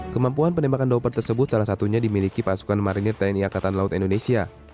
kemampuan penembakan doper tersebut salah satunya dimiliki pasukan marinir tni angkatan laut indonesia